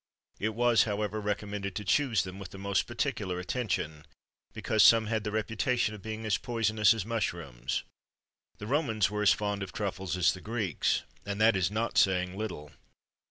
[XXIII 101] It was, however, recommended to choose them with the most particular attention, because some had the reputation of being as poisonous as mushrooms.[XXIII 102] The Romans were as fond of truffles as the Greeks, and that is not saying little.